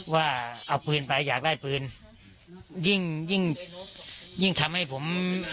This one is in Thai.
ว่าเอาปืนไปอยากได้ปืนยิ่งยิ่งทำให้ผม